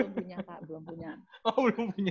belum punya kak belum punya